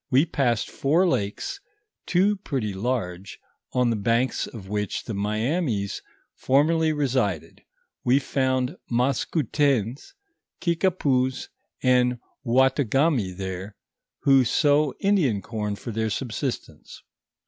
We passed four lakes, two pretty large, on the banks of which the Miainis formerly resided, we found Maskoutens, Kikupous, and Outaougamy there, who sow Indian corn for their subsistence.